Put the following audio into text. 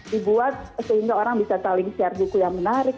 dibuat sehingga orang bisa saling share buku yang menarik